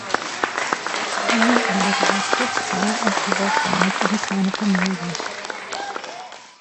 Hanni arbeitet als Putzfrau und versorgt damit ihre kleine Familie.